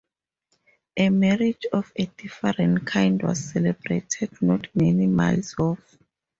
A marriage of a different kind was celebrated not many miles off.